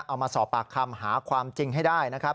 เอามาสอบปากคำหาความจริงให้ได้นะครับ